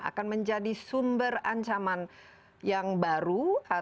akan menjadi sumber ancaman yang baru